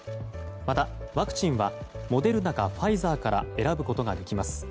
またワクチンはモデルナかファイザーから選ぶことができます。